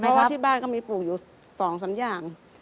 เพราะว่าที่บ้านก็มีปลูกอยู่๒๓อย่าง